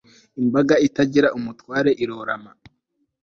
imbaga itagira umutware, irorama